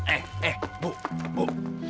eh eh bu bu